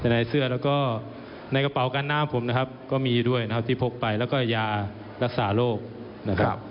ในเสื้อแล้วก็ในกระเป๋าการน้ำผมนะครับก็มีด้วยนะครับที่พกไปแล้วก็ยารักษาโรคนะครับ